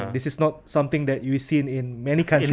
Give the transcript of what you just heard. ini bukan sesuatu yang anda lihat di banyak negara